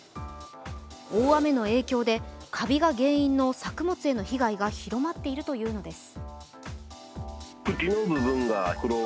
大雨の影響でかびが原因の作物への被害が広まっているというのです。